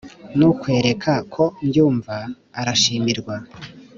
nukwereka ko mbyumva; urashimirwa